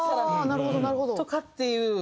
なるほどなるほど。とかっていう。